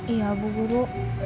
iya bu guru